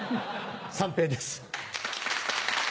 三平です。